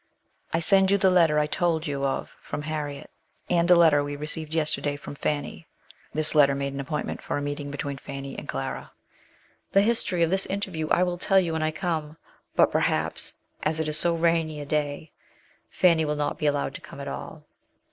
I send you the letter I told you of from 6 82 MES. SHELLEY. Harriet, and a letter we received yesterday from Fanny (this letter made an appointment for a meeting between Fanny and Clara) ; the history of this interview I will tell you when I come, but, perhaps as it is so rainy a day, Fanny will not be allowed to come at all.